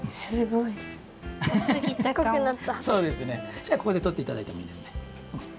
じゃあここでとっていただいてもいいですね。